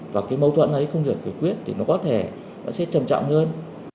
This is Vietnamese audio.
và cái mâu thuẫn ấy không được cử quyết thì nó có thể nó sẽ trầm trọng hơn